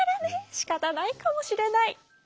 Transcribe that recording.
しかたないかもしれない。